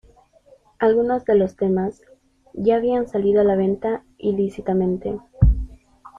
Algunos de los temas, ya habían salido a la venta ilícitamente.